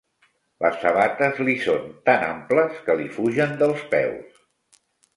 Les sabates li són tan amples, que li fugen dels peus.